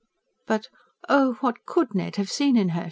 But: "Oh, what COULD Ned have seen in her?"